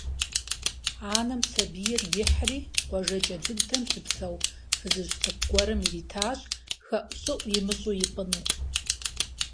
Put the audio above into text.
Анэм сабийр ихьри къуажэкӀэ дыдэм щыпсэу фызыжь цӀыкӀу гуэрым иритащ хэӀущӀыӀу имыщӀу ипӀыну.